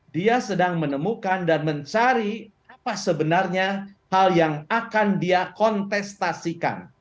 dia sedang menemukan dan mencari apa sebenarnya hal yang akan dia kontestasikan